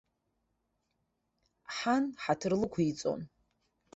Ҳан ҳаҭыр лықәиҵон.